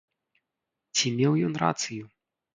Ці меў ён рацыю?